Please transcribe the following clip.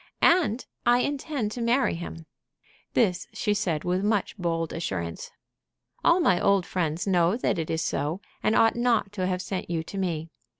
"And I intend to marry him." This she said with much bold assurance. "All my old friends know that it is so, and ought not to have sent you to me.